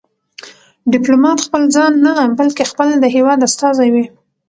ډيپلومات خپل ځان نه، بلکې خپل د هېواد استازی وي.